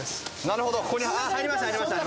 なるほどここにあっ入りました